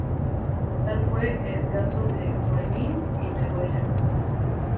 Tal fue el caso de "Juanín" y "Bedoya".